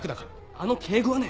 あの敬語はね